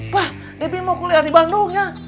wah debbie mau kuliah di bandung ya